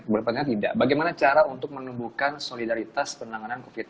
boleh pertanyaan tidak bagaimana cara untuk menumbuhkan solidaritas penanganan covid sembilan belas